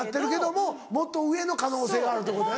もっと上の可能性があるってことやな。